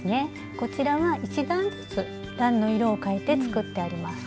こちらは１段ずつ段の色を変えて作ってあります。